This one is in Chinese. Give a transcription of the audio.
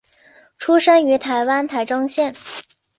出生于台湾台中县。